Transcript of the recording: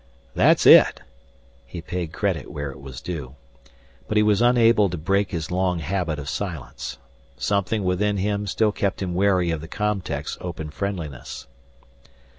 "That's it!" He paid credit where it was due. But he was unable to break his long habit of silence. Something within him still kept him wary of the com tech's open friendliness.